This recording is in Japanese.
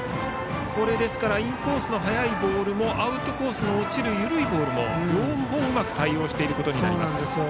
インコースの速いボールもアウトコース落ちる緩いボールも両方うまく対応していることになります。